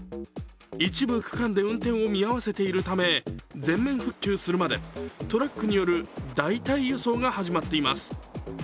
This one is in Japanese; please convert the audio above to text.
一部区間で運転を見合わせているため全面復旧するまでトラックによる代替輸送が始まっています。